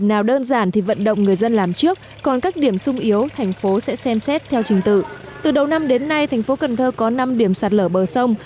từ đầu năm đến nay thành phố cần thơ có năm điểm sạt lở bờ sông